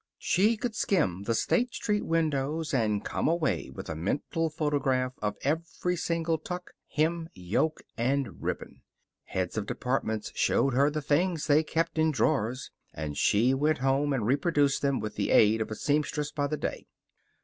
She could skim the State Street windows and come away with a mental photograph of every separate tuck, hem, yoke, and ribbon. Heads of departments showed her the things they kept in drawers, and she went home and reproduced them with the aid of a seamstress by the day.